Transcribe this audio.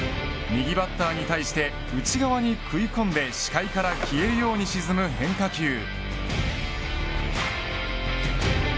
右バッターに対して内側に食い込んで視界から消えるように沈む変化球。